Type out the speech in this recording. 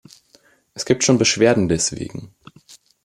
Es gibt schon Beschwerden deswegen.